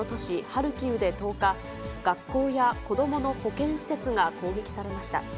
ハルキウで１０日、学校や子どもの保健施設が攻撃されました。